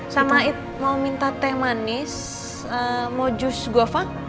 sama it mau minta teh manis mau jus gova